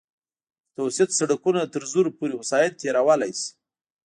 متوسط سرکونه تر زرو پورې وسایط تېرولی شي